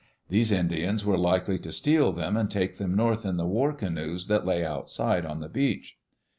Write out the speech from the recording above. These Indians were likely to steal them and take them north in the war canoes that lay outside on the beach.